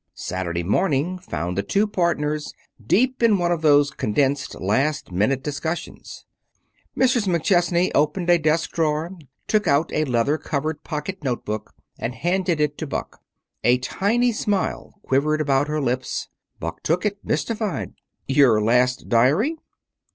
Saturday morning found the two partners deep in one of those condensed, last minute discussions. Mrs. McChesney opened a desk drawer, took out a leather covered pocket notebook, and handed it to Buck. A tiny smile quivered about her lips. Buck took it, mystified. "Your last diary?"